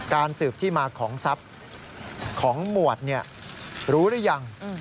สืบที่มาของทรัพย์ของหมวดรู้หรือยัง